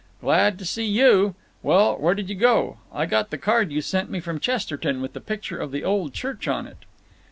"Glad see you. Well, where did you go? I got the card you sent me from Chesterton with the picture of the old church on it."